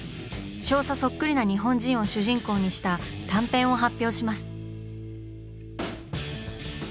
少佐そっくりな日本人を主人公にした短編を発表します。